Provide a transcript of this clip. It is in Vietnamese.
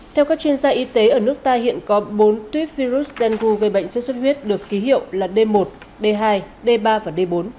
theo các chuyên gia y tế ở nước ta hiện có bốn tuyếp virus danu gây bệnh xuất xuất huyết được ký hiệu là d một d hai d ba và d bốn